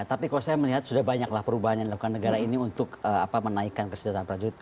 tapi kalau saya melihat sudah banyaklah perubahan yang dilakukan negara ini untuk menaikkan kesejahteraan prajurit